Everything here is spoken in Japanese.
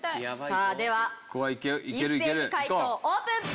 さあでは一斉に解答オープン！